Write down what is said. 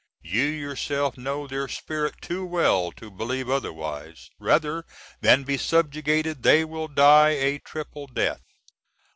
You yourself know their "spirit" too well to believe otherwise. Rather than be subjugated they will die a triple death.